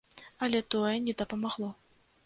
Але тое не дапамагло.